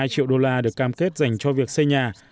hai triệu đô la được cam kết dành cho việc xây nhà